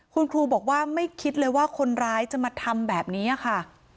คุณครูบอกว่าไม่คิดเลยว่าคนร้ายจะมาทำแบบนี้ค่ะ